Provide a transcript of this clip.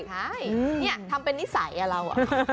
ใช่นี่ทำเป็นนิสัยเรา